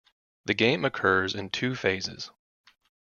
The game occurs in two phases.